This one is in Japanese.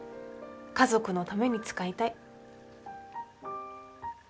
家族のために使いたい。